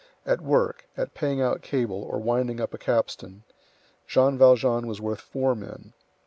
At work, at paying out a cable or winding up a capstan, Jean Valjean was worth four men.